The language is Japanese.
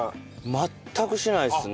全くしないですね。